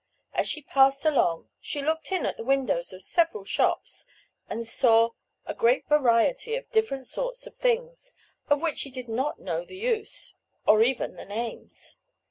As she passed along she looked in at the windows of several shops, and saw a great variety of different sorts of things, of which she did not know the use, or even the names.